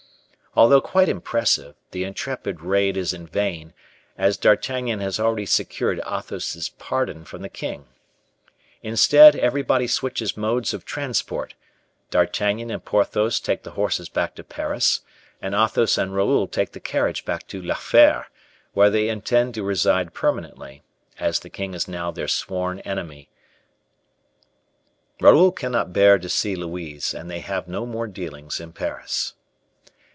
Although quite impressive, the intrepid raid is in vain, as D'Artagnan has already secured Athos's pardon from the king. Instead, everybody switches modes of transport; D'Artagnan and Porthos take the horses back to Paris, and Athos and Raoul take the carriage back to La Fere, where they intend to reside permanently, as the king is now their sworn enemy, Raoul cannot bear to see Louise, and they have no more dealings in Paris.